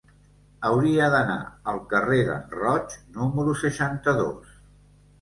Hauria d'anar al carrer d'en Roig número seixanta-dos.